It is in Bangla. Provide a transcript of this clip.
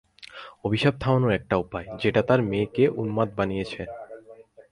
অভিশাপ থামানোর একটা উপায়, যেটা তার মেয়েকে উন্মাদ বানিয়েছে।